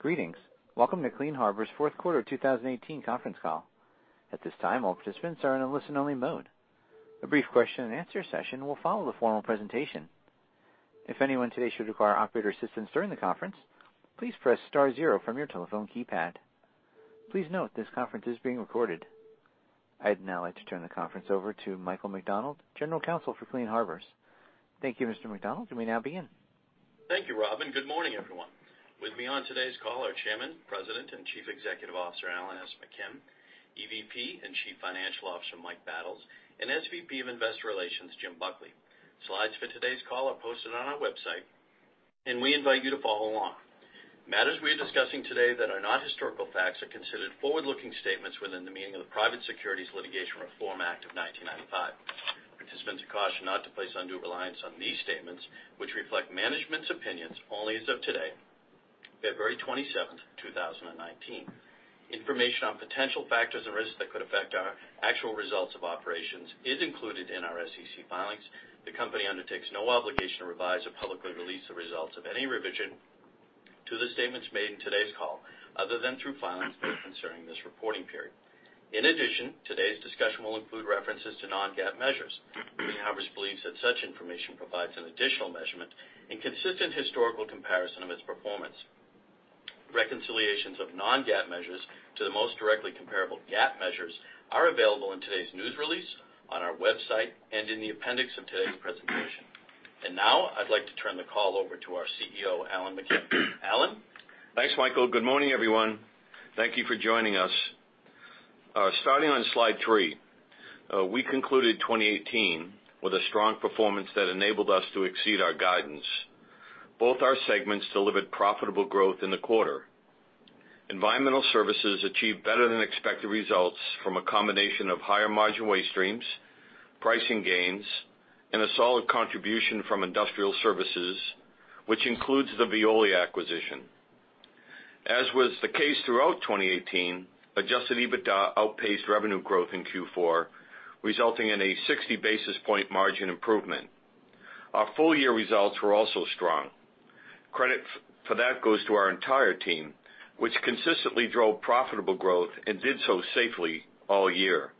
Greetings. Welcome to Clean Harbors' fourth quarter 2018 conference call. At this time, all participants are in a listen-only mode. A brief question-and-answer session will follow the formal presentation. If anyone today should require operator assistance during the conference, please press star zero from your telephone keypad. Please note this conference is being recorded. I'd now like to turn the conference over to Michael McDonald, General Counsel for Clean Harbors. Thank you, Mr. McDonald. You may now begin. Thank you, Robin. Good morning, everyone. With me on today's call are Chairman, President, and Chief Executive Officer, Alan S. McKim, EVP and Chief Financial Officer, Mike Battles, and SVP of Investor Relations, Jim Buckley. Slides for today's call are posted on our website, and we invite you to follow along. Matters we are discussing today that are not historical facts are considered forward-looking statements within the meaning of the Private Securities Litigation Reform Act of 1995. Participants are cautioned not to place undue reliance on these statements, which reflect management's opinions only as of today, February 27th, 2019. Information on potential factors and risks that could affect our actual results of operations is included in our SEC filings. The company undertakes no obligation to revise or publicly release the results of any revision to the statements made in today's call, other than through filings made concerning this reporting period. In addition, today's discussion will include references to non-GAAP measures. Clean Harbors believes that such information provides an additional measurement and consistent historical comparison of its performance. Reconciliations of non-GAAP measures to the most directly comparable GAAP measures are available in today's news release, on our website, and in the appendix of today's presentation. Now I'd like to turn the call over to our CEO, Alan McKim. Alan? Thanks, Michael. Good morning, everyone. Thank you for joining us. Starting on slide three, we concluded 2018 with a strong performance that enabled us to exceed our guidance. Both our segments delivered profitable growth in the quarter. Environmental Services achieved better-than-expected results from a combination of higher-margin waste streams, pricing gains, and a solid contribution from Industrial Services, which includes the Veolia acquisition. As was the case throughout 2018, adjusted EBITDA outpaced revenue growth in Q4, resulting in a 60-basis-point margin improvement. Our full-year results were also strong. Credit for that goes to our entire team, which consistently drove profitable growth and did so safely all year.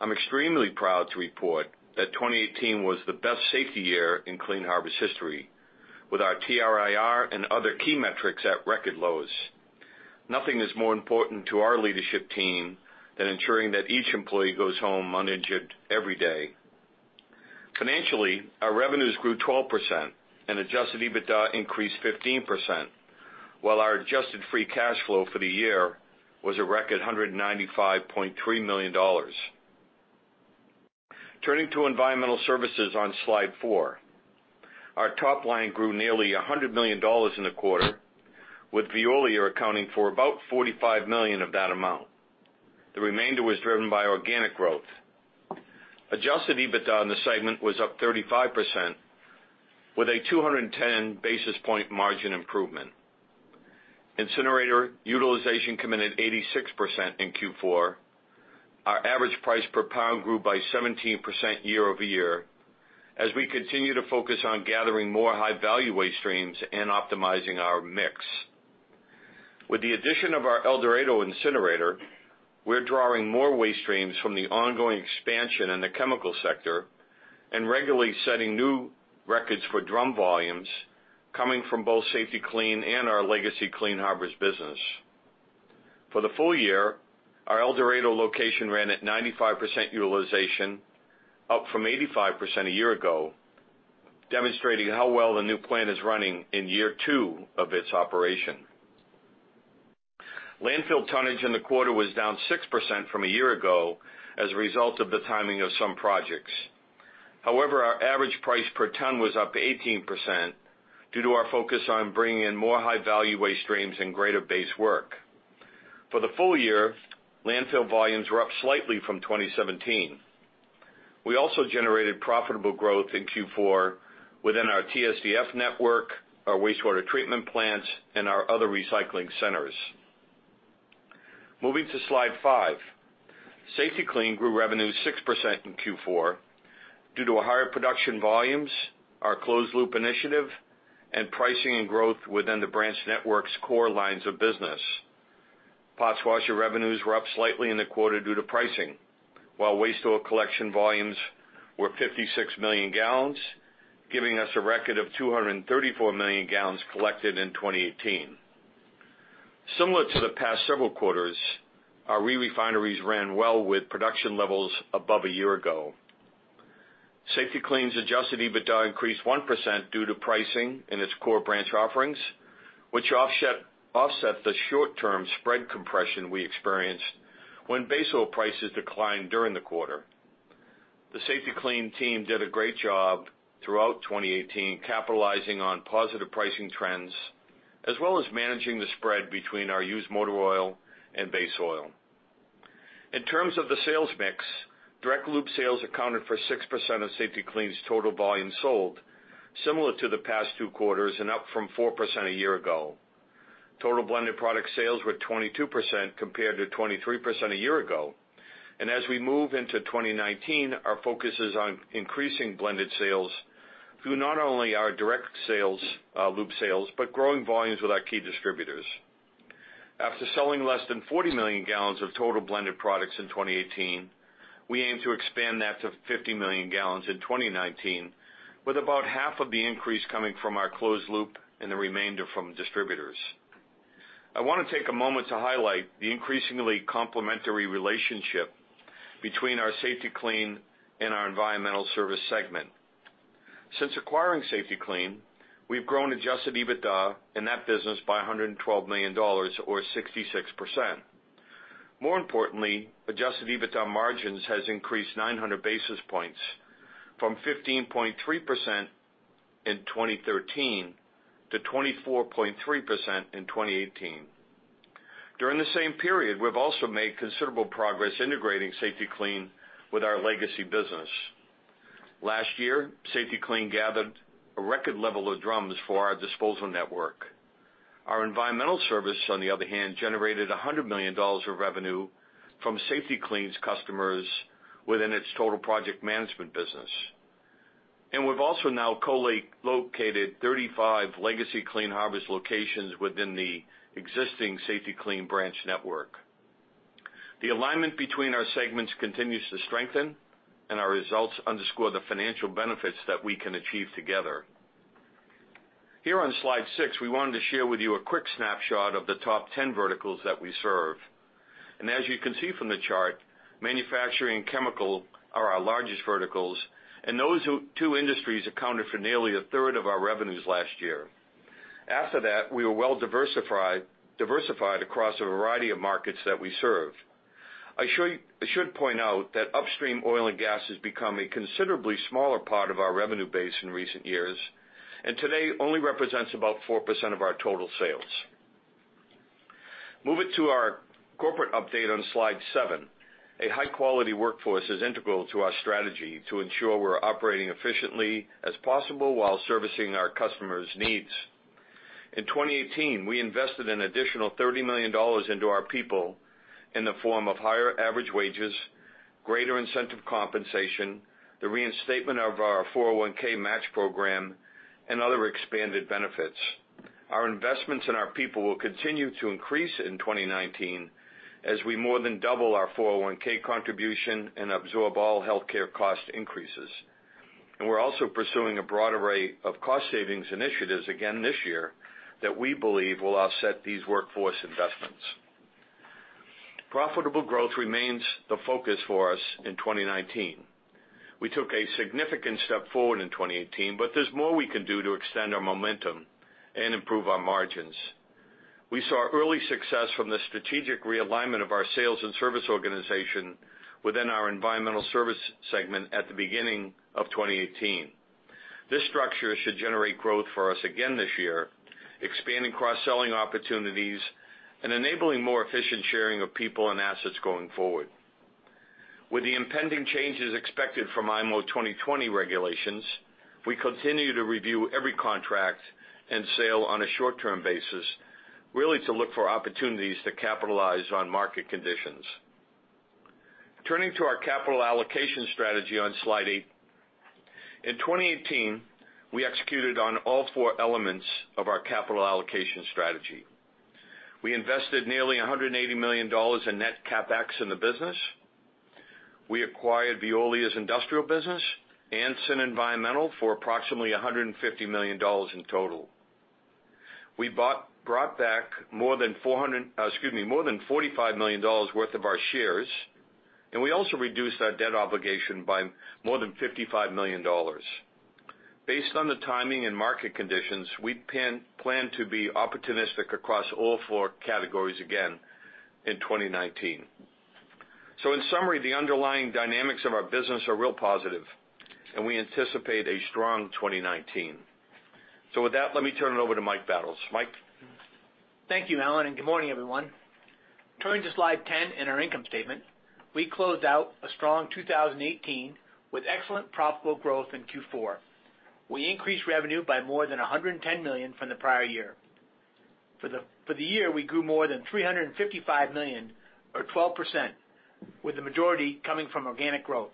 I'm extremely proud to report that 2018 was the best safety year in Clean Harbors' history, with our TRIR and other key metrics at record lows. Nothing is more important to our leadership team than ensuring that each employee goes home uninjured every day. Financially, our revenues grew 12%, and adjusted EBITDA increased 15%, while our adjusted free cash flow for the year was a record $195.3 million. Turning to Environmental Services on Slide 4. Our top line grew nearly $100 million in the quarter, with Veolia accounting for about $45 million of that amount. The remainder was driven by organic growth. Adjusted EBITDA on the segment was up 35%, with a 210-basis-point margin improvement. Incinerator utilization came in at 86% in Q4. Our average price per pound grew by 17% year-over-year as we continue to focus on gathering more high-value waste streams and optimizing our mix. With the addition of our El Dorado incinerator, we're drawing more waste streams from the ongoing expansion in the chemical sector and regularly setting new records for drum volumes coming from both Safety-Kleen and our legacy Clean Harbors business. For the full year, our El Dorado location ran at 95% utilization, up from 85% a year ago, demonstrating how well the new plant is running in year two of its operation. Landfill tonnage in the quarter was down 6% from a year ago as a result of the timing of some projects. However, our average price per ton was up 18% due to our focus on bringing in more high-value waste streams and greater base work. For the full year, landfill volumes were up slightly from 2017. We also generated profitable growth in Q4 within our TSDF network, our wastewater treatment plants, and our other recycling centers. Moving to Slide 5. Safety-Kleen grew revenue 6% in Q4 due to higher production volumes, our closed loop initiative, and pricing and growth within the branch network's core lines of business. Parts washer revenues were up slightly in the quarter due to pricing, while waste oil collection volumes were 56 million gallons, giving us a record of 234 million gallons collected in 2018. Similar to the past several quarters, our re-refineries ran well with production levels above a year ago. Safety-Kleen's adjusted EBITDA increased 1% due to pricing in its core branch offerings, which offset the short-term spread compression we experienced when base oil prices declined during the quarter. The Safety-Kleen team did a great job throughout 2018, capitalizing on positive pricing trends, as well as managing the spread between our used motor oil and base oil. In terms of the sales mix, direct loop sales accounted for 6% of Safety-Kleen's total volume sold, similar to the past two quarters and up from 4% a year ago. Total blended product sales were 22% compared to 23% a year ago. As we move into 2019, our focus is on increasing blended sales through not only our direct sales, loop sales, but growing volumes with our key distributors. After selling less than 40 million gallons of total blended products in 2018, we aim to expand that to 50 million gallons in 2019, with about half of the increase coming from our closed loop, and the remainder from distributors. I want to take a moment to highlight the increasingly complementary relationship between our Safety-Kleen and our Environmental Services segment. Since acquiring Safety-Kleen, we've grown adjusted EBITDA in that business by $112 million, or 66%. More importantly, adjusted EBITDA margins has increased 900 basis points from 15.3% in 2013 to 24.3% in 2018. During the same period, we've also made considerable progress integrating Safety-Kleen with our legacy business. Last year, Safety-Kleen gathered a record level of drums for our disposal network. Our environmental service, on the other hand, generated $100 million of revenue from Safety-Kleen's customers within its total project management business. We've also now co-located 35 legacy Clean Harbors locations within the existing Safety-Kleen branch network. The alignment between our segments continues to strengthen, and our results underscore the financial benefits that we can achieve together. Here on slide six, we wanted to share with you a quick snapshot of the top 10 verticals that we serve. As you can see from the chart, manufacturing chemical are our largest verticals, and those two industries accounted for nearly a third of our revenues last year. After that, we were well-diversified across a variety of markets that we serve. I should point out that upstream oil and gas has become a considerably smaller part of our revenue base in recent years, and today only represents about 4% of our total sales. Moving to our corporate update on slide seven. A high-quality workforce is integral to our strategy to ensure we're operating efficiently as possible while servicing our customers' needs. In 2018, we invested an additional $30 million into our people in the form of higher average wages, greater incentive compensation, the reinstatement of our 401(k) match program, and other expanded benefits. Our investments in our people will continue to increase in 2019 as we more than double our 401(k) contribution and absorb all healthcare cost increases. We're also pursuing a broad array of cost savings initiatives again this year that we believe will offset these workforce investments. Profitable growth remains the focus for us in 2019. We took a significant step forward in 2018, but there's more we can do to extend our momentum and improve our margins. We saw early success from the strategic realignment of our sales and service organization within our environmental service segment at the beginning of 2018. This structure should generate growth for us again this year, expanding cross-selling opportunities and enabling more efficient sharing of people and assets going forward. With the impending changes expected from IMO 2020 regulations, we continue to review every contract and sale on a short-term basis, really to look for opportunities to capitalize on market conditions. Turning to our capital allocation strategy on slide eight. In 2018, we executed on all four elements of our capital allocation strategy. We invested nearly $180 million in net CapEx in the business. We acquired Veolia's industrial business and Sync Environmental for approximately $150 million in total. We brought back more than $45 million worth of our shares. We also reduced our debt obligation by more than $55 million. Based on the timing and market conditions, we plan to be opportunistic across all four categories again in 2019. In summary, the underlying dynamics of our business are real positive, and we anticipate a strong 2019. With that, let me turn it over to Mike Battles. Mike? Thank you, Alan, and good morning, everyone. Turning to Slide 10 in our income statement, we closed out a strong 2018 with excellent profitable growth in Q4. We increased revenue by more than $110 million from the prior year. For the year, we grew more than $355 million or 12%, with the majority coming from organic growth.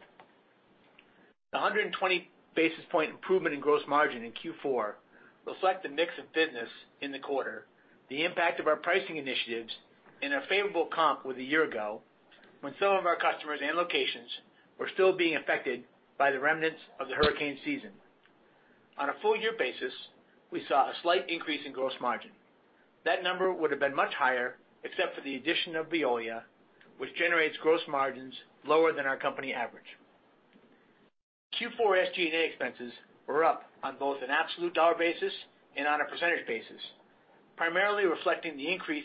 The 120 basis point improvement in gross margin in Q4 reflect the mix of business in the quarter, the impact of our pricing initiatives, and a favorable comp with a year ago when some of our customers and locations were still being affected by the remnants of the hurricane season. On a full year basis, we saw a slight increase in gross margin. That number would have been much higher except for the addition of Veolia, which generates gross margins lower than our company average. Q4 SG&A expenses were up on both an absolute dollar basis and on a percentage basis, primarily reflecting the increase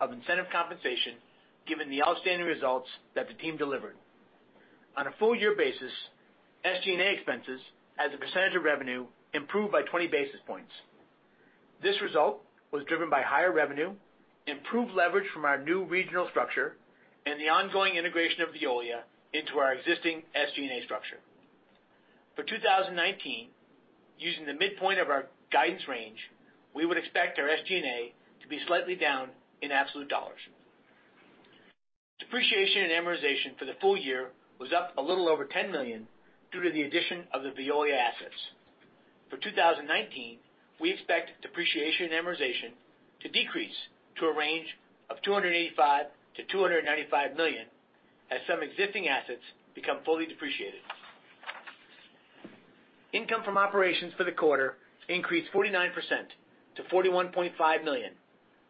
of incentive compensation given the outstanding results that the team delivered. On a full year basis, SG&A expenses as a percentage of revenue improved by 20 basis points. This result was driven by higher revenue, improved leverage from our new regional structure, and the ongoing integration of Veolia into our existing SG&A structure. For 2019, using the midpoint of our guidance range, we would expect our SG&A to be slightly down in absolute dollars. Depreciation and amortization for the full year was up a little over $10 million due to the addition of the Veolia assets. For 2019, we expect depreciation and amortization to decrease to a range of $285 million-$295 million as some existing assets become fully depreciated. Income from operations for the quarter increased 49% to $41.5 million,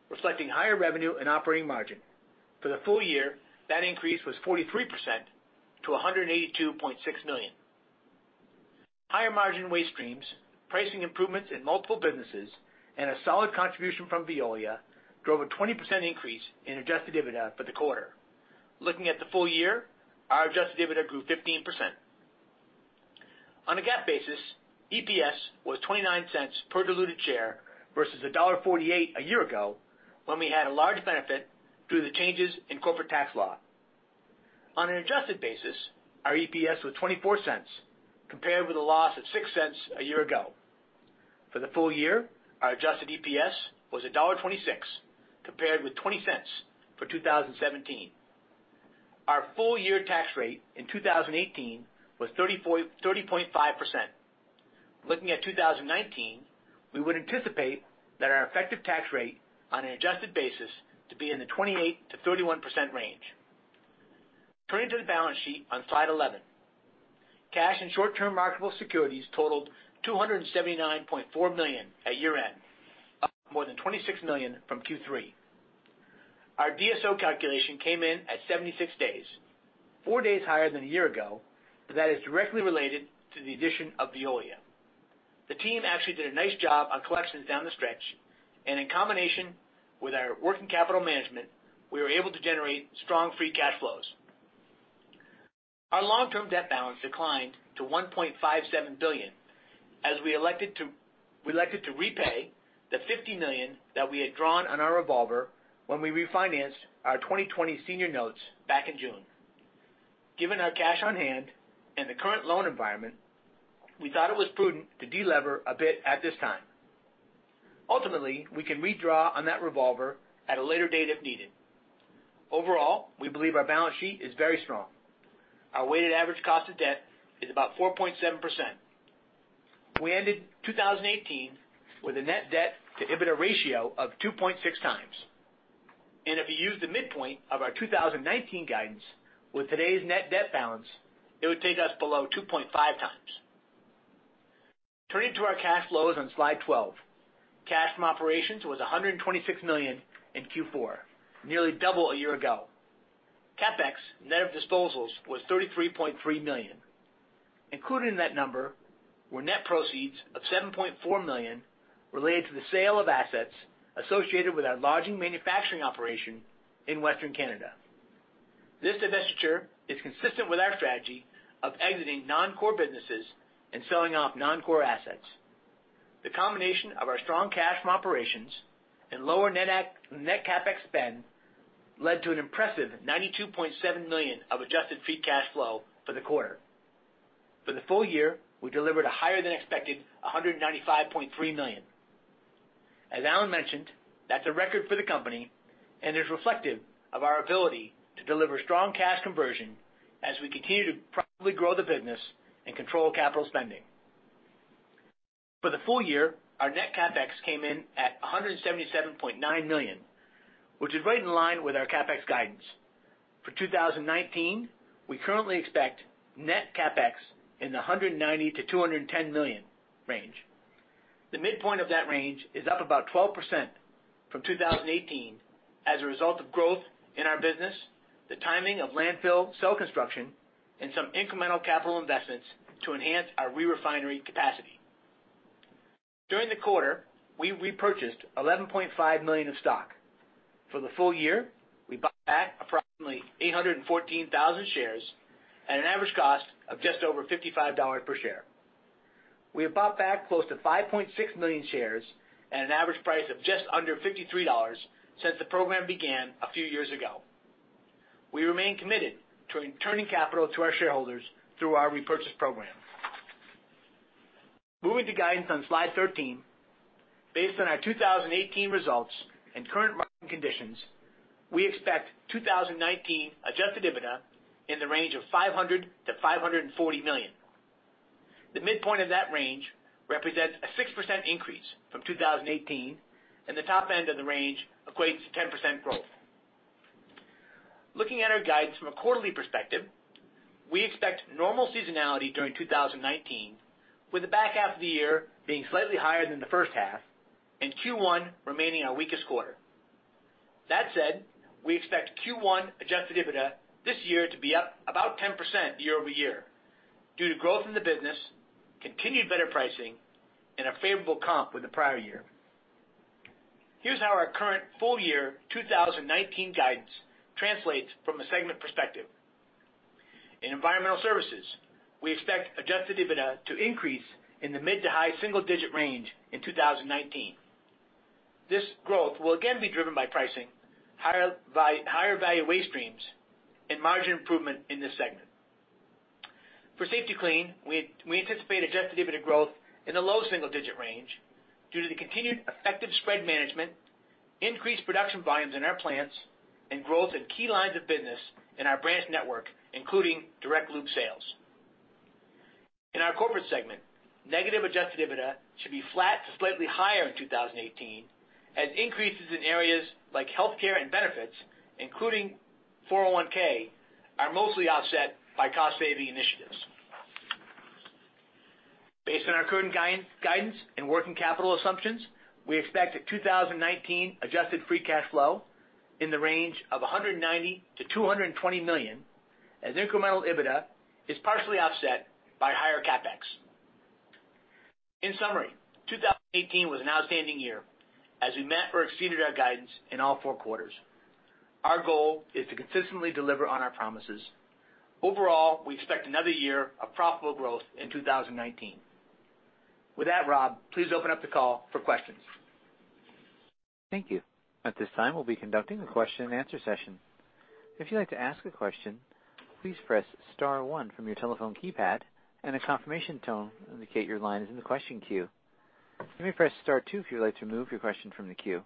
reflecting higher revenue and operating margin. For the full year, that increase was 43% to $182.6 million. Higher margin waste streams, pricing improvements in multiple businesses, and a solid contribution from Veolia drove a 20% increase in adjusted EBITDA for the quarter. Looking at the full year, our adjusted EBITDA grew 15%. On a GAAP basis, EPS was $0.29 per diluted share versus $1.48 a year ago, when we had a large benefit through the changes in corporate tax law. On an adjusted basis, our EPS was $0.24 compared with a loss of $0.06 a year ago. For the full year, our adjusted EPS was $1.26, compared with $0.20 for 2017. Our full-year tax rate in 2018 was 30.5%. Looking at 2019, we would anticipate that our effective tax rate on an adjusted basis to be in the 28%-31% range. Turning to the balance sheet on slide 11. Cash and short-term marketable securities totaled $279.4 million at year-end, up more than $26 million from Q3. Our DSO calculation came in at 76 days, four days higher than a year ago, but that is directly related to the addition of Veolia. The team actually did a nice job on collections down the stretch, and in combination with our working capital management, we were able to generate strong free cash flows. Our long-term debt balance declined to $1.57 billion as we elected to repay the $50 million that we had drawn on our revolver when we refinanced our 2020 senior notes back in June. Given our cash on hand and the current loan environment, we thought it was prudent to de-lever a bit at this time. Ultimately, we can redraw on that revolver at a later date if needed. Overall, we believe our balance sheet is very strong. Our weighted average cost of debt is about 4.7%. We ended 2018 with a net debt to EBITDA ratio of 2.6 times. If you use the midpoint of our 2019 guidance with today's net debt balance, it would take us below 2.5 times. Turning to our cash flows on slide 12. Cash from operations was $126 million in Q4, nearly double a year ago. CapEx net of disposals was $33.3 million. Included in that number were net proceeds of $7.4 million related to the sale of assets associated with our lodging manufacturing operation in Western Canada. This divestiture is consistent with our strategy of exiting non-core businesses and selling off non-core assets. The combination of our strong cash from operations and lower net CapEx spend led to an impressive $92.7 million of adjusted free cash flow for the quarter. For the full year, we delivered a higher than expected $195.3 million. As Alan mentioned, that's a record for the company and is reflective of our ability to deliver strong cash conversion as we continue to profitably grow the business and control capital spending. For the full year, our net CapEx came in at $177.9 million, which is right in line with our CapEx guidance. For 2019, we currently expect net CapEx in the $190 million to $210 million range. The midpoint of that range is up about 12% from 2018 as a result of growth in our business, the timing of landfill cell construction, and some incremental capital investments to enhance our re-refinery capacity. During the quarter, we repurchased $11.5 million of stock. For the full year, we bought back approximately 814,000 shares at an average cost of just over $55 per share. We have bought back close to 5.6 million shares at an average price of just under $53 since the program began a few years ago. We remain committed to returning capital to our shareholders through our repurchase program. Moving to guidance on slide 13. Based on our 2018 results and current market conditions, we expect 2019 adjusted EBITDA in the range of $500 million to $540 million. The midpoint of that range represents a 6% increase from 2018, and the top end of the range equates to 10% growth. Looking at our guidance from a quarterly perspective, we expect normal seasonality during 2019, with the back half of the year being slightly higher than the first half and Q1 remaining our weakest quarter. That said, we expect Q1 adjusted EBITDA this year to be up about 10% year-over-year due to growth in the business, continued better pricing, and a favorable comp with the prior year. Here's how our current full-year 2019 guidance translates from a segment perspective. In Environmental Services, we expect adjusted EBITDA to increase in the mid to high single-digit range in 2019. This growth will again be driven by pricing, higher value waste streams, and margin improvement in this segment. For Safety-Kleen, we anticipate adjusted EBITDA growth in the low single-digit range due to the continued effective spread management, increased production volumes in our plants, and growth in key lines of business in our branch network, including direct loop sales. In our Corporate Segment, negative adjusted EBITDA should be flat to slightly higher in 2018, as increases in areas like healthcare and benefits, including 401(k), are mostly offset by cost-saving initiatives. Based on our current guidance and working capital assumptions, we expect a 2019 adjusted free cash flow in the range of $190 million to $220 million, as incremental EBITDA is partially offset by higher CapEx. In summary, 2018 was an outstanding year as we met or exceeded our guidance in all four quarters. Our goal is to consistently deliver on our promises. Overall, we expect another year of profitable growth in 2019. With that, Rob, please open up the call for questions. Thank you. At this time, we'll be conducting a question and answer session. If you'd like to ask a question, please press *1 from your telephone keypad, and a confirmation tone will indicate your line is in the question queue. You may press *2 if you would like to remove your question from the queue.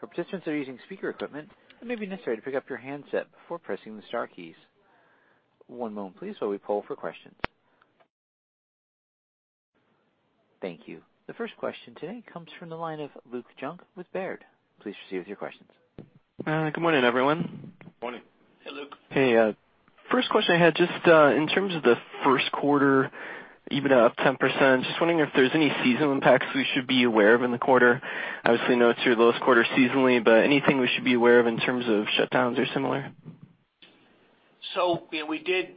For participants that are using speaker equipment, it may be necessary to pick up your handset before pressing the star keys. One moment please while we poll for questions. Thank you. The first question today comes from the line of Luke Junk with Baird. Please proceed with your questions. Good morning, everyone. Morning. Hey, Luke. Hey, first question I had, just in terms of the first quarter, even up 10%, just wondering if there's any seasonal impacts we should be aware of in the quarter. Obviously know it's your lowest quarter seasonally, anything we should be aware of in terms of shutdowns or similar? We did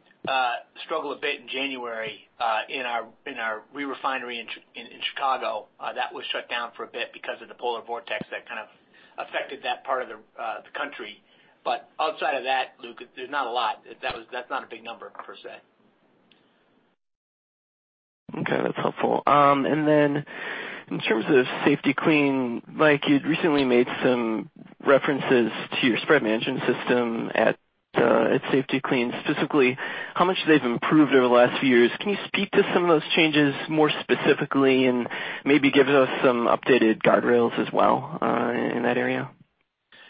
struggle a bit in January, in our re-refinery in Chicago. That was shut down for a bit because of the polar vortex that kind of affected that part of the country. Outside of that, Luke, there's not a lot. That's not a big number per se. Okay, that's helpful. In terms of Safety-Kleen, Mike, you'd recently made some references to your spread management system at Safety-Kleen. Specifically, how much they've improved over the last few years. Can you speak to some of those changes more specifically and maybe give us some updated guardrails as well in that area?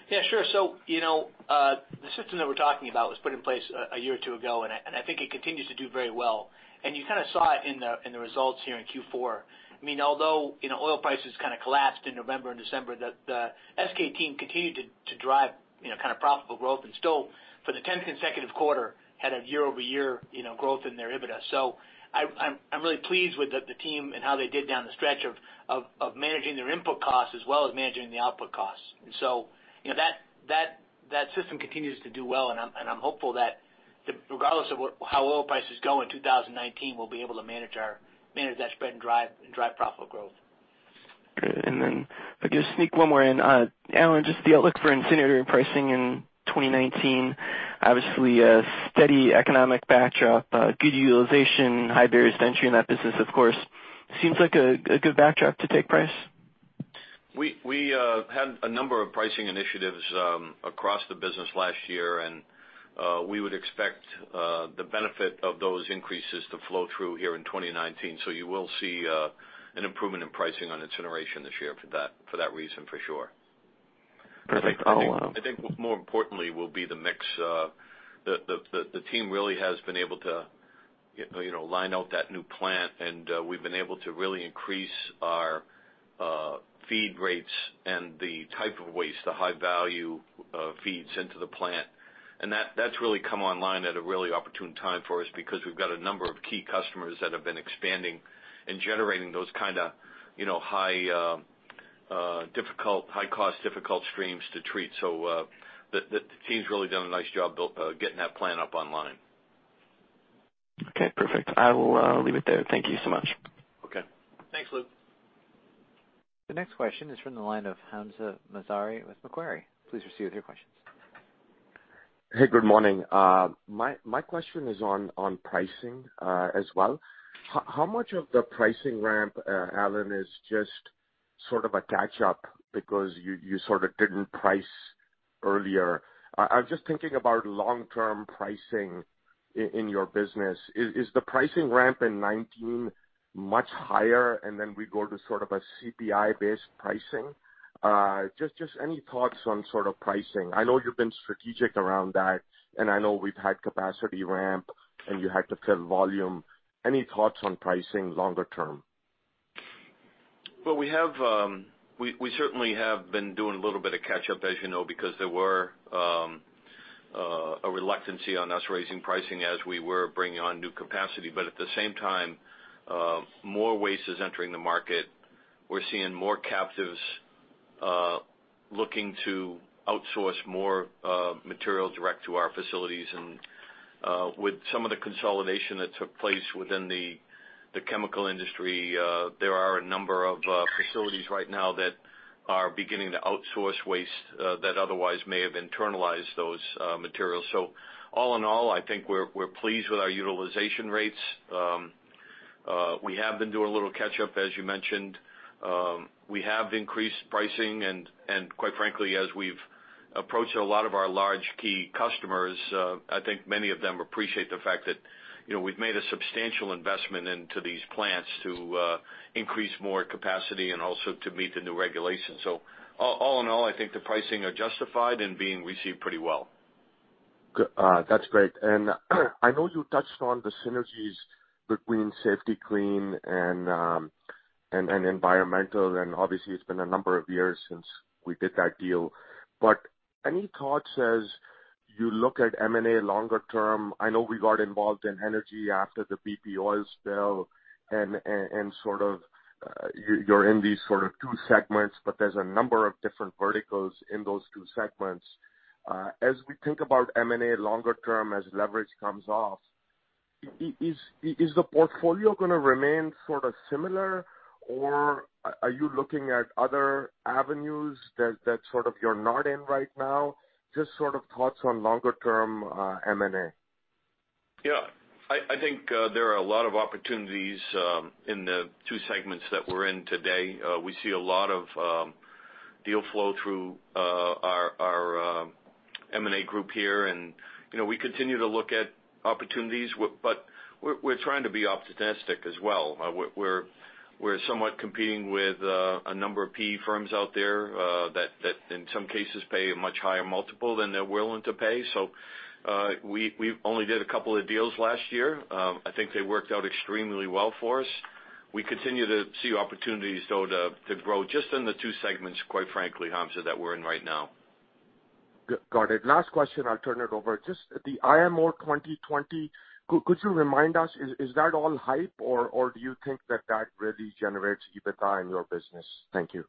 Yeah, sure. The system that we're talking about was put in place a year or two ago, and I think it continues to do very well. You kind of saw it in the results here in Q4. Although oil prices kind of collapsed in November and December, the SK team continued to drive profitable growth and still, for the 10th consecutive quarter, had a year-over-year growth in their EBITDA. I'm really pleased with the team and how they did down the stretch of managing their input costs as well as managing the output costs. That system continues to do well, and I'm hopeful that regardless of how oil prices go in 2019, we'll be able to manage that spread and drive profitable growth. Great. If I could just sneak one more in. Alan, just the outlook for incinerator pricing in 2019. Obviously, a steady economic backdrop, good utilization, high barriers to entry in that business, of course. Seems like a good backdrop to take price. We had a number of pricing initiatives across the business last year, and we would expect the benefit of those increases to flow through here in 2019. You will see an improvement in pricing on incineration this year for that reason for sure. Perfect. Follow-up. I think what more importantly will be the mix. The team really has been able to line out that new plant, and we've been able to really increase our feed rates and the type of waste, the high-cost, difficult streams to treat. That's really come online at a really opportune time for us because we've got a number of key customers that have been expanding and generating those kind of high-cost, difficult streams to treat. The team's really done a nice job getting that plant up online. Okay, perfect. I will leave it there. Thank you so much. Okay. Thanks, Luke. The next question is from the line of Hamzah Mazari with Macquarie. Please proceed with your questions. Hey, good morning. My question is on pricing as well. How much of the pricing ramp, Alan, is just sort of a catch up because you sort of didn't price earlier? I'm just thinking about long-term pricing in your business. Is the pricing ramp in 2019 much higher, then we go to sort of a CPI-based pricing? Just any thoughts on sort of pricing. I know you've been strategic around that, and I know we've had capacity ramp, and you had to fill volume. Any thoughts on pricing longer term? Well, we certainly have been doing a little bit of catch up, as you know, because there was a reluctance on us raising pricing as we were bringing on new capacity. At the same time, more waste is entering the market. We're seeing more captives looking to outsource more material direct to our facilities. With some of the consolidation that took place within the chemical industry, there are a number of facilities right now that are beginning to outsource waste that otherwise may have internalized those materials. All in all, I think we're pleased with our utilization rates. We have been doing a little catch-up, as you mentioned. We have increased pricing and quite frankly, as we've approached a lot of our large key customers, I think many of them appreciate the fact that we've made a substantial investment into these plants to increase more capacity and also to meet the new regulations. All in all, I think the pricing are justified and being received pretty well. That's great. I know you touched on the synergies between Safety-Kleen and Environmental, and obviously it's been a number of years since we did that deal. Any thoughts as you look at M&A longer term? I know we got involved in energy after the BP oil spill and you're in these two segments, but there's a number of different verticals in those two segments. As we think about M&A longer term, as leverage comes off, is the portfolio going to remain similar, or are you looking at other avenues that you're not in right now? Just thoughts on longer term M&A. Yeah. I think there are a lot of opportunities in the two segments that we're in today. We see a lot of deal flow through our M&A group here, and we continue to look at opportunities. We're trying to be opportunistic as well. We're somewhat competing with a number of PE firms out there that in some cases pay a much higher multiple than they're willing to pay. We only did a couple of deals last year. I think they worked out extremely well for us. We continue to see opportunities, though, to grow just in the two segments, quite frankly, Hamza, that we're in right now. Got it. Last question, I'll turn it over. Just the IMO 2020. Could you remind us, is that all hype or do you think that that really generates EBITDA in your business? Thank you.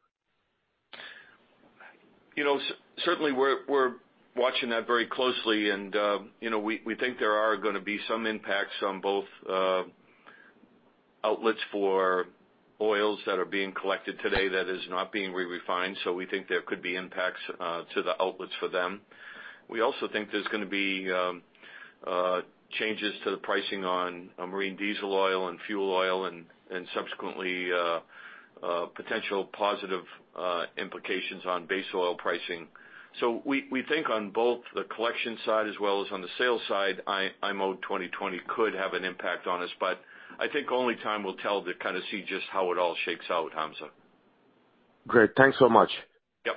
Certainly, we're watching that very closely. We think there are going to be some impacts on both outlets for oils that are being collected today that is not being re-refined. We think there could be impacts to the outlets for them. We also think there's going to be changes to the pricing on marine diesel oil and fuel oil and subsequently, potential positive implications on base oil pricing. We think on both the collection side as well as on the sales side, IMO 2020 could have an impact on us, I think only time will tell to kind of see just how it all shakes out, Hamza. Great. Thanks so much. Yep.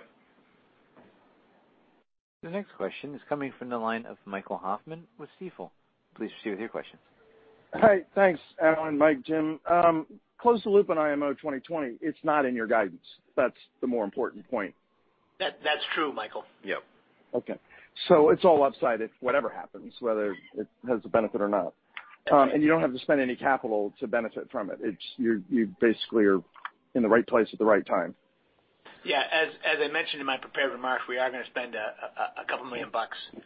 The next question is coming from the line of Michael Hoffman with Stifel. Please proceed with your question. Hi. Thanks, Alan, Mike, Jim. Close the loop on IMO 2020. It's not in your guidance. That's the more important point. That's true, Michael. Yep. It's all upside it, whatever happens, whether it has a benefit or not. You don't have to spend any capital to benefit from it. You basically are in the right place at the right time. Yeah. As I mentioned in my prepared remarks, we are going to spend a couple million bucks of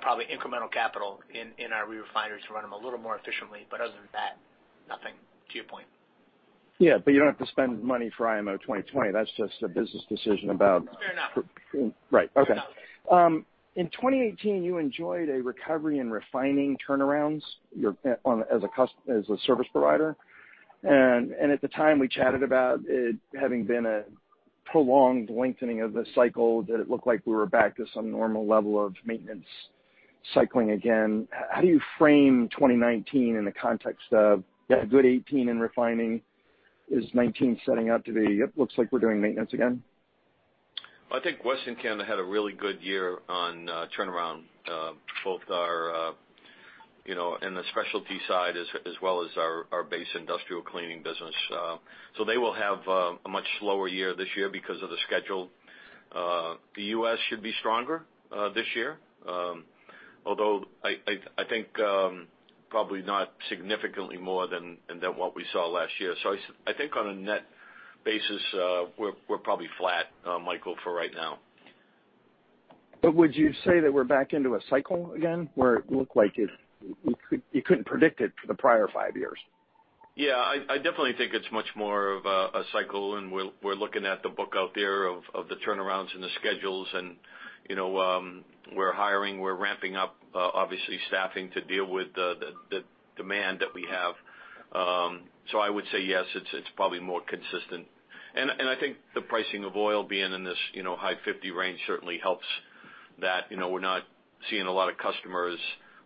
probably incremental capital in our re-refineries to run them a little more efficiently. Other than that, nothing, to your point. Yeah, you don't have to spend money for IMO 2020. That's just a business decision about- Fair enough. Right. Okay. In 2018, you enjoyed a recovery in refining turnarounds as a service provider. At the time, we chatted about it having been a prolonged lengthening of the cycle, that it looked like we were back to some normal level of maintenance cycling again. How do you frame 2019 in the context of, you had a good '18 in refining. Is '19 setting up to be, "Yep, looks like we're doing maintenance again"? I think Western Canada had a really good year on turnaround. Both in the specialty side as well as our base industrial cleaning business. They will have a much slower year this year because of the schedule. The U.S. should be stronger this year. Although I think probably not significantly more than what we saw last year. I think on a net basis, we're probably flat, Michael, for right now. Would you say that we're back into a cycle again, where it looked like you couldn't predict it for the prior five years? Yeah, I definitely think it's much more of a cycle, and we're looking at the book out there of the turnarounds and the schedules, and we're hiring, we're ramping up, obviously, staffing to deal with the demand that we have. I would say yes, it's probably more consistent. I think the pricing of oil being in this high 50 range certainly helps that. We're not seeing a lot of customers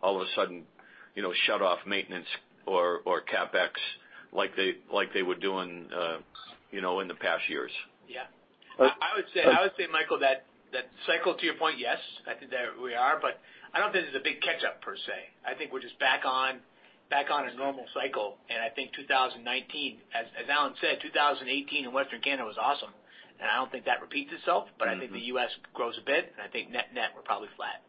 all of a sudden shut off maintenance or CapEx like they were doing in the past years. Yeah. I would say, Michael, that cycle, to your point, yes, I think that we are, but I don't think this is a big catch-up per se. I think we're just back on a normal cycle. I think 2019, as Alan said, 2018 in Western Canada was awesome. I don't think that repeats itself, but I think the U.S. grows a bit, and I think net-net, we're probably flat.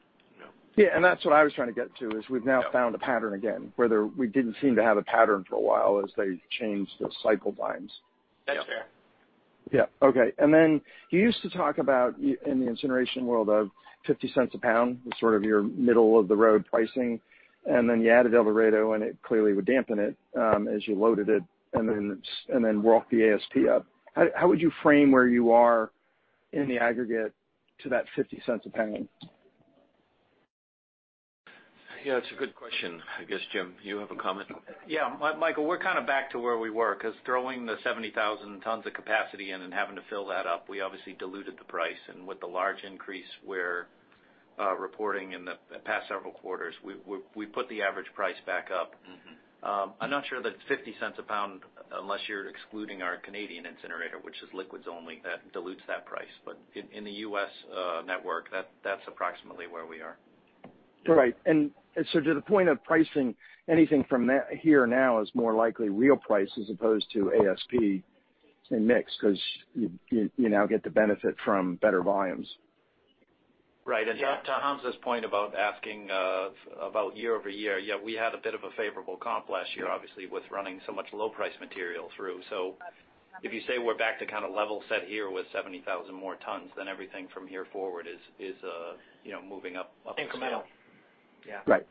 Yeah. Yeah, that's what I was trying to get to, is we've now found a pattern again, whether we didn't seem to have a pattern for a while as they changed the cycle times. That's fair. Yeah. Okay. Then you used to talk about, in the incineration world of $0.50 a pound is sort of your middle-of-the-road pricing. Then you added El Dorado, and it clearly would dampen it as you loaded it. Then walk the ASP up. How would you frame where you are in the aggregate to that $0.50 a pound? Yeah, it's a good question. I guess, Jim, you have a comment? Yeah. Michael, we're kind of back to where we were, because throwing the 70,000 tons of capacity in and having to fill that up, we obviously diluted the price. With the large increase we're reporting in the past several quarters, we put the average price back up. I'm not sure that it's $0.50 a pound unless you're excluding our Canadian incinerator, which is liquids only. That dilutes that price. In the U.S. network, that's approximately where we are. Right. To the point of pricing, anything from here now is more likely real price as opposed to ASP and mix, because you now get the benefit from better volumes. Right. Yeah. To Hamzah' point about asking about year-over-year, yeah, we had a bit of a favorable comp last year, obviously, with running so much low price material through. If you say we're back to kind of level set here with 70,000 more tons, then everything from here forward is moving up still. Incremental. Yeah. Right.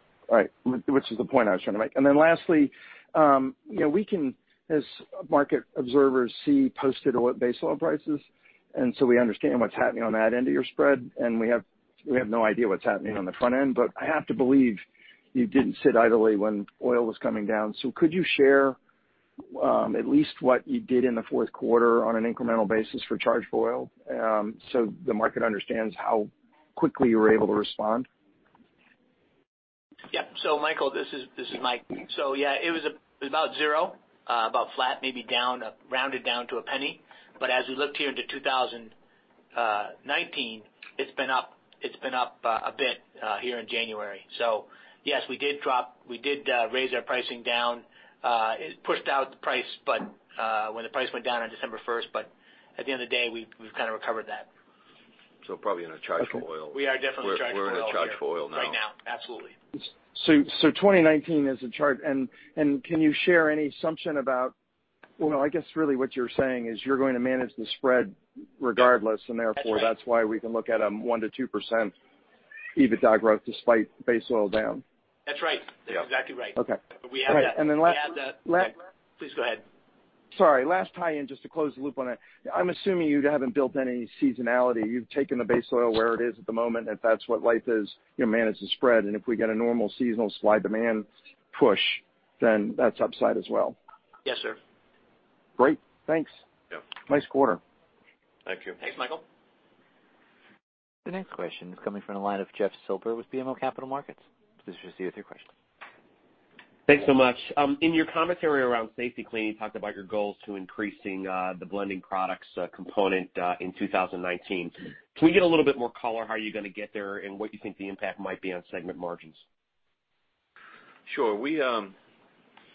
Which is the point I was trying to make. Lastly, we can, as market observers, see posted base oil prices, and so we understand what's happening on that end of your spread, and we have no idea what's happening on the front end. I have to believe you didn't sit idly when oil was coming down. Could you share at least what you did in the fourth quarter on an incremental basis for charge-for-oil? The market understands how quickly you were able to respond. Yeah. Michael, this is Mike. Yeah, it was about zero, about flat, maybe rounded down to $0.01. As we looked here into 2019, it's been up a bit here in January. Yes, we did raise our pricing down. It pushed out the price, but when the price went down on December 1st, but at the end of the day, we've kind of recovered that. Probably in a charge-for-oil. We are definitely in a charge-for-oil right now. We're in a charge-for-oil now. Right now. Absolutely. 2019 is a charge-for-oil. I guess really what you're saying is you're going to manage the spread regardless, and therefore that's why we can look at a 1%-2% EBITDA growth despite base oil down. That's right. Yeah. That's exactly right. Okay. We have that. Then. Please go ahead. Sorry. Last tie in, just to close the loop on it. I'm assuming you haven't built any seasonality. You've taken the base oil where it is at the moment, and if that's what life is, you manage the spread, and if we get a normal seasonal slide demand push, then that's upside as well. Yes, sir. Great. Thanks. Yeah. Nice quarter. Thank you. Thanks, Michael. The next question is coming from the line of Jeff Silber with BMO Capital Markets. Please proceed with your question. Thanks so much. In your commentary around Safety-Kleen, you talked about your goals to increasing the blending products component in 2019. Can we get a little bit more color how you're going to get there and what you think the impact might be on segment margins? Sure. We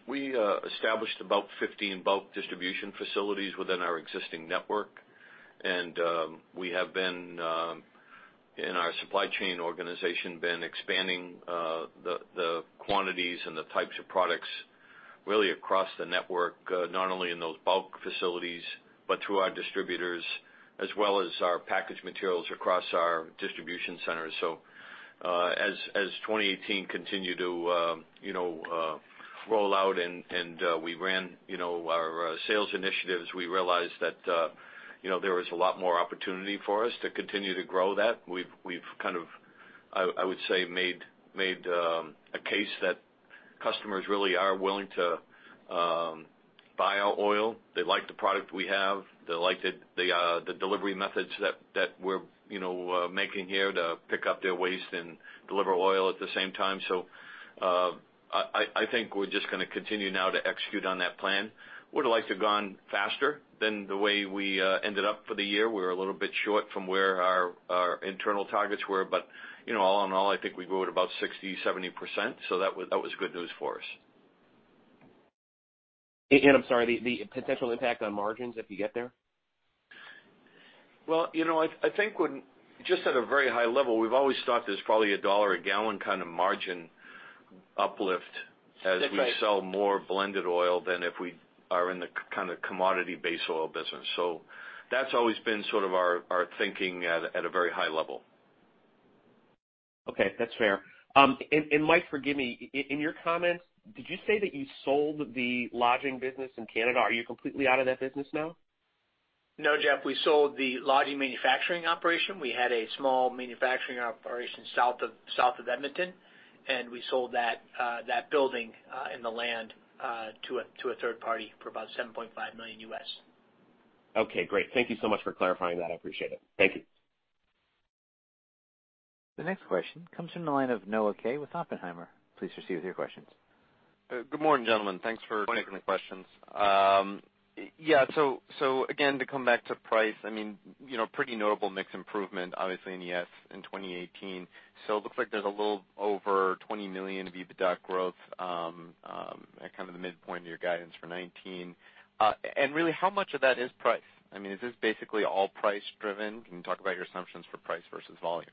established about 15 bulk distribution facilities within our existing network. We have been, in our supply chain organization, been expanding the quantities and the types of products really across the network, not only in those bulk facilities, but through our distributors as well as our packaged materials across our distribution centers. As 2018 continued to roll out and we ran our sales initiatives, we realized that there was a lot more opportunity for us to continue to grow that. We've kind of, I would say, made a case that customers really are willing to buy our oil. They like the product we have. They like the delivery methods that we're making here to pick up their waste and deliver oil at the same time. I think we're just going to continue now to execute on that plan. Would have liked to have gone faster than the way we ended up for the year. We were a little bit short from where our internal targets were. All in all, I think we grew at about 60%-70%, that was good news for us. I'm sorry, the potential impact on margins if you get there? Well, I think just at a very high level, we've always thought there's probably a $1 a gallon kind of margin uplift as we sell more blended oil than if we are in the kind of commodity base oil business. That's always been sort of our thinking at a very high level. Okay. That's fair. Mike, forgive me. In your comments, did you say that you sold the lodging business in Canada? Are you completely out of that business now? No, Jeff. We sold the lodging manufacturing operation. We had a small manufacturing operation south of Edmonton, and we sold that building and the land to a third party for about $7.5 million. Okay, great. Thank you so much for clarifying that. I appreciate it. Thank you. The next question comes from the line of Noah Kaye with Oppenheimer. Please proceed with your questions. Good morning, gentlemen. Thanks for taking the questions. Again, to come back to price, pretty notable mix improvement, obviously, in the S in 2018. It looks like there's a little over $20 million of EBITDA growth at kind of the midpoint of your guidance for 2019. Really how much of that is price? Is this basically all price driven? Can you talk about your assumptions for price versus volume?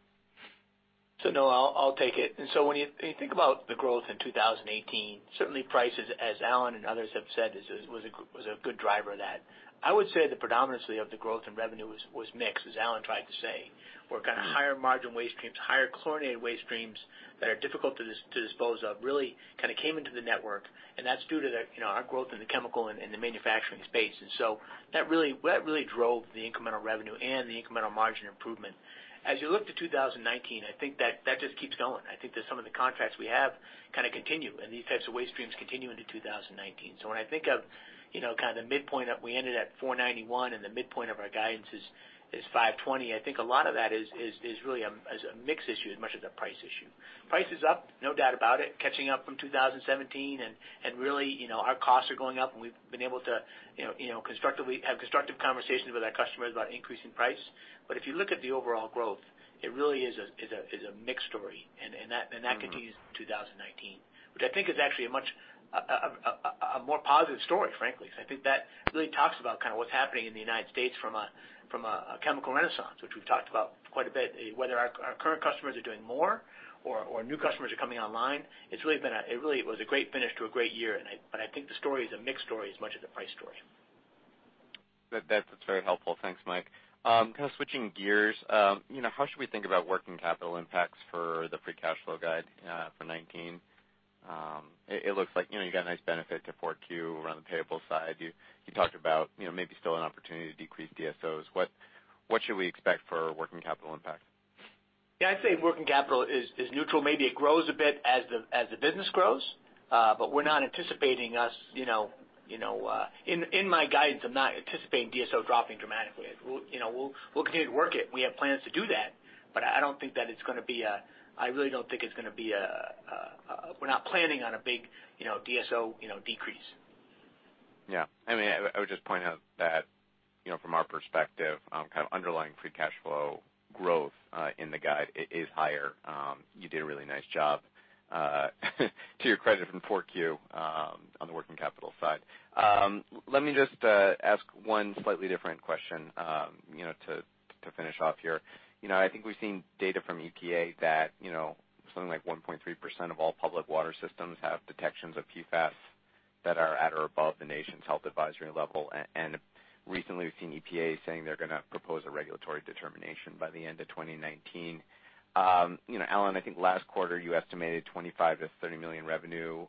Noah, I'll take it. When you think about the growth in 2018, certainly prices, as Alan and others have said, was a good driver of that. I would say the predominancy of the growth in revenue was mixed, as Alan tried to say, where kind of higher margin waste streams, higher chlorinated waste streams that are difficult to dispose of really came into the network, and that's due to our growth in the chemical and the manufacturing space. That really drove the incremental revenue and the incremental margin improvement. As you look to 2019, I think that just keeps going. I think that some of the contracts we have kind of continue, and these types of waste streams continue into 2019. When I think of the midpoint, we ended at 491, and the midpoint of our guidance is 520, I think a lot of that is really a mix issue as much as a price issue. Price is up, no doubt about it, catching up from 2017, really, our costs are going up, and we've been able to have constructive conversations with our customers about increasing price. If you look at the overall growth, it really is a mixed story. That continues in 2019. Which I think is actually a more positive story, frankly. I think that really talks about what's happening in the United States from a chemical renaissance, which we've talked about quite a bit. Whether our current customers are doing more or new customers are coming online, it really was a great finish to a great year. I think the story is a mixed story as much as a price story. That's very helpful. Thanks, Mike. Kind of switching gears. How should we think about working capital impacts for the free cash flow guide for 2019? It looks like you got a nice benefit to 4Q around the payable side. You talked about maybe still an opportunity to decrease DSOs. What should we expect for working capital impact? I'd say working capital is neutral. Maybe it grows a bit as the business grows. In my guidance, I'm not anticipating DSO dropping dramatically. We'll continue to work it. We have plans to do that. I really don't think we're planning on a big DSO decrease. I would just point out that from our perspective, kind of underlying free cash flow growth in the guide is higher. You did a really nice job, to your credit, from 4Q on the working capital side. Let me just ask one slightly different question to finish off here. I think we've seen data from EPA that something like 1.3% of all public water systems have detections of PFAS that are at or above the nation's health advisory level. Recently, we've seen EPA saying they're going to propose a regulatory determination by the end of 2019. Alan, I think last quarter you estimated $25 million-$30 million revenue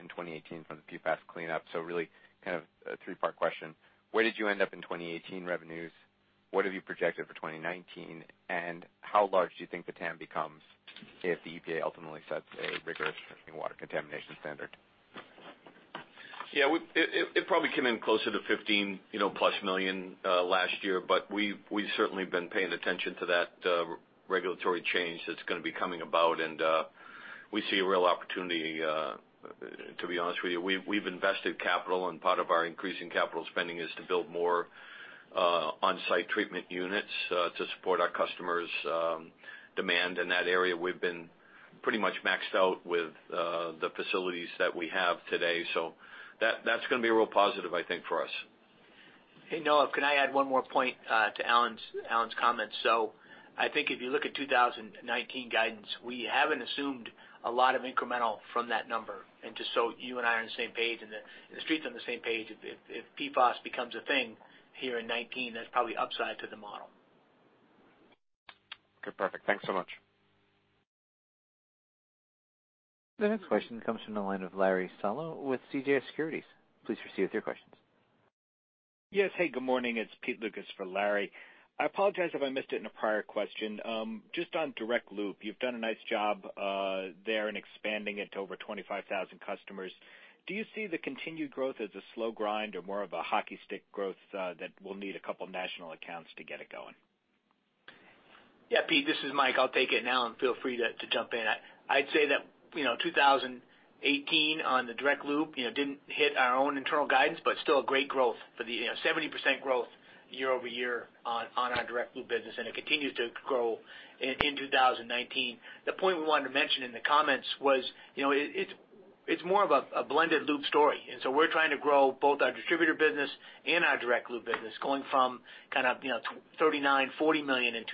in 2018 from the PFAS cleanup. Really, kind of a three-part question. Where did you end up in 2018 revenues? What have you projected for 2019? How large do you think the TAM becomes if the EPA ultimately sets a rigorous drinking water contamination standard? It probably came in closer to $15+ million last year, we've certainly been paying attention to that regulatory change that's going to be coming about, and we see a real opportunity, to be honest with you. We've invested capital, part of our increasing capital spending is to build more on-site treatment units to support our customers' demand in that area. We've been pretty much maxed out with the facilities that we have today. That's going to be a real positive, I think, for us. Hey, Noah, can I add one more point to Alan's comments? I think if you look at 2019 guidance, we haven't assumed a lot of incremental from that number. Just so you and I are on the same page, and the Street's on the same page, if PFAS becomes a thing here in 2019, that's probably upside to the model. Perfect. Thanks so much. The next question comes from the line of Larry Solow with CJS Securities. Please proceed with your questions. Yes, hey, good morning. It's Peter Lucas for Larry. I apologize if I missed it in a prior question. Just on direct loop, you've done a nice job there in expanding it to over 25,000 customers. Do you see the continued growth as a slow grind or more of a hockey stick growth that will need a couple national accounts to get it going? Yeah, Pete, this is Mike. I'll take it, Alan, feel free to jump in. I'd say that 2018 on the direct loop didn't hit our own internal guidance, but still a great growth. 70% growth year-over-year on our direct loop business, and it continues to grow in 2019. The point we wanted to mention in the comments was, it's more of a blended loop story. We're trying to grow both our distributor business and our direct loop business, going from $39 million, $40 million in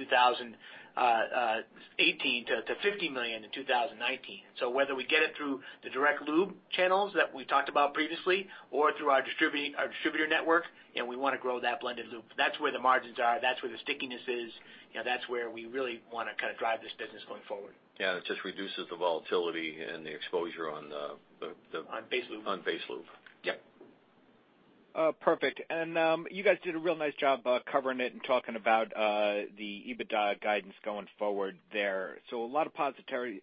2018 to $50 million in 2019. Whether we get it through the direct loop channels that we talked about previously or through our distributor network, we want to grow that blended loop. That's where the margins are, that's where the stickiness is. That's where we really want to drive this business going forward. Yeah, it just reduces the volatility and the exposure on the. On base loop. On base loop. Yep. Perfect. You guys did a real nice job covering it and talking about the EBITDA guidance going forward there. A lot of commentary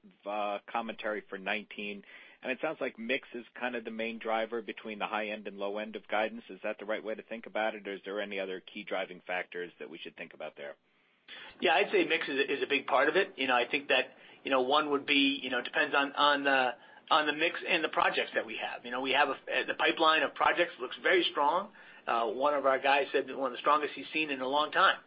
for 2019, it sounds like mix is kind of the main driver between the high end and low end of guidance. Is that the right way to think about it, or is there any other key driving factors that we should think about there? Yeah, I'd say mix is a big part of it. I think that one would be, depends on the mix and the projects that we have. The pipeline of projects looks very strong. One of our guys said one of the strongest he's seen in a long time.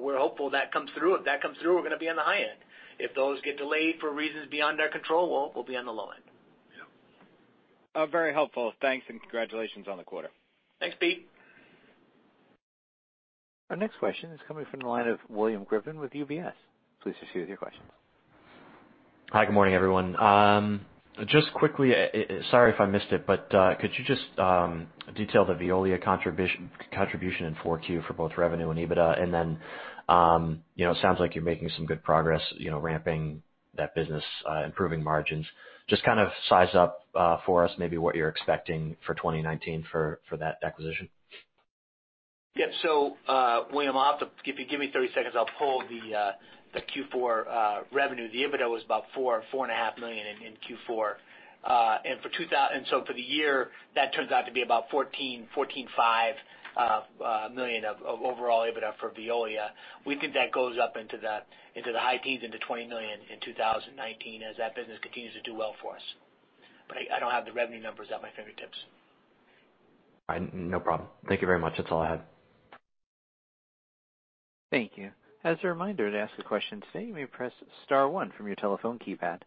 We're hopeful that comes through. If that comes through, we're going to be on the high end. If those get delayed for reasons beyond our control, we'll be on the low end. Yeah. Very helpful. Thanks, congratulations on the quarter. Thanks, Pete. Our next question is coming from the line of William Griffin with UBS. Please proceed with your questions. Hi, good morning, everyone. Just quickly, sorry if I missed it, but could you just detail the Veolia contribution in 4Q for both revenue and EBITDA? It sounds like you're making some good progress ramping that business, improving margins. Just kind of size up for us maybe what you're expecting for 2019 for that acquisition. Yep. William, if you give me 30 seconds, I'll pull the Q4 revenue. The EBITDA was about $4 million-$4.5 million in Q4. For the year, that turns out to be about $14 million-$14.5 million of overall EBITDA for Veolia. We think that goes up into the high teens, into $20 million in 2019 as that business continues to do well for us. I don't have the revenue numbers at my fingertips. All right. No problem. Thank you very much. That's all I had. Thank you. As a reminder to ask a question today, you may press *1 from your telephone keypad.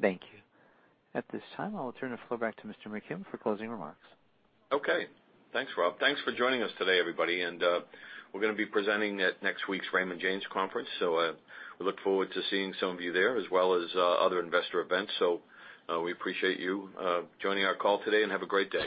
Thank you. At this time, I'll turn the floor back to Mr. McKim for closing remarks. Okay. Thanks, Rob. Thanks for joining us today, everybody. We're going to be presenting at next week's Raymond James Conference. We look forward to seeing some of you there as well as other investor events. We appreciate you joining our call today. Have a great day.